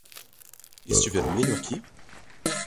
E este vermelho aqui?